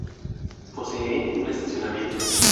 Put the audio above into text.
Posee un estacionamiento.